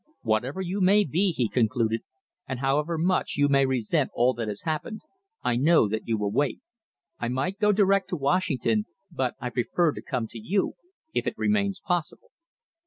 "Whatever you may be," he concluded, "and however much you may resent all that has happened, I know that you will wait. I might go direct to Washington, but I prefer to come to you, if it remains possible.